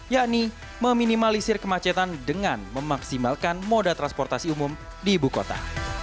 yakni meminimalisir kemacetan dengan memaksimalkan moda transportasi umumnya